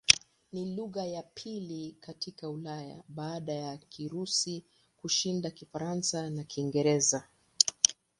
Ni lugha ya pili katika Ulaya baada ya Kirusi kushinda Kifaransa na Kiingereza.